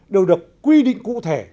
đều được quy định cụ thể